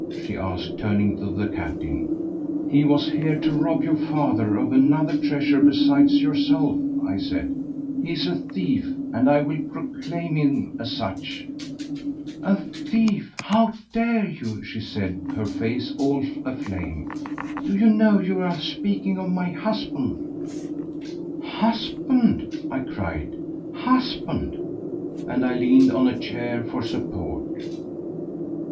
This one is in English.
she asked, turning to the captain. "He was here to rob your father of another treasure besides yourself," I said. "He is a thief, and I will proclaim him as such." "A thief! How dare you?" she said, her face all aflame. "Do you know you are speaking of my husband?" "Husband!" I cried "Husband!" And I leaned on a chair for support.